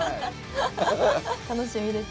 楽しみです。